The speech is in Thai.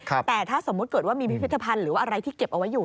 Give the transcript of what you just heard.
แต่ถ้าสมมุติเกิดว่ามีพิพิธภัณฑ์หรือว่าอะไรที่เก็บเอาไว้อยู่